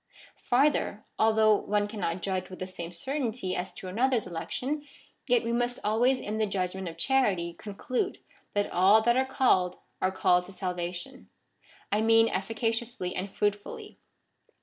Farther, although one cannot judge with the same certainty as to another's election, yet we must always in the judgment of charity conclude that all that are called are called to salvation ; I mean efficaciously and fruitfully.